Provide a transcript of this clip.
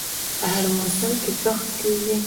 په هر موسم کې کښت کیږي.